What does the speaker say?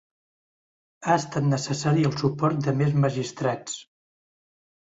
Ha estat necessari el suport de més magistrats.